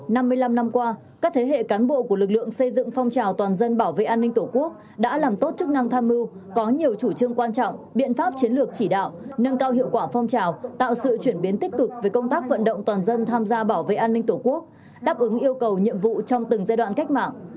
năm mươi năm năm qua các thế hệ cán bộ của lực lượng xây dựng phong trào toàn dân bảo vệ an ninh tổ quốc đã làm tốt chức năng tham mưu có nhiều chủ trương quan trọng biện pháp chiến lược chỉ đạo nâng cao hiệu quả phong trào tạo sự chuyển biến tích cực về công tác vận động toàn dân tham gia bảo vệ an ninh tổ quốc đáp ứng yêu cầu nhiệm vụ trong từng giai đoạn cách mạng